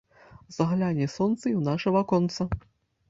Загляне сонца i ў наша ваконца